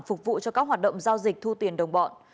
phục vụ cho các hoạt động giao dịch thu tiền đồng bọn